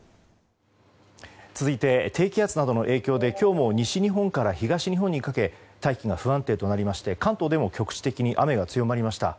続いて低気圧などの影響で今日も西日本から東日本にかけて大気が不安定となりまして関東でも局地的に雨が強まりました。